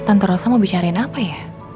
tante rosa mau bicarain apa ya